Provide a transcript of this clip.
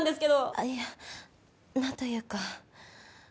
あっいやなんというか。